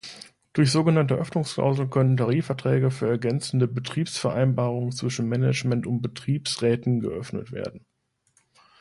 Durch sogenannte „Öffnungsklauseln“ können Tarifverträge für ergänzende Betriebsvereinbarungen zwischen Management und Betriebsräten geöffnet werden.